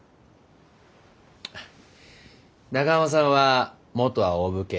中濱さんは元はお武家。